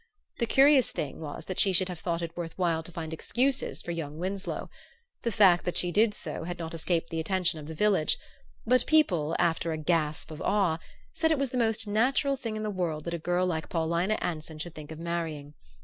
The curious thing was that she should have thought it worth while to find excuses for young Winsloe. The fact that she did so had not escaped the attention of the village; but people, after a gasp of awe, said it was the most natural thing in the world that a girl like Paulina Anson should think of marrying.